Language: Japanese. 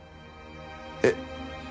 えっ。